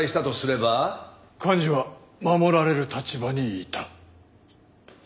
寛二は守られる立場にいた。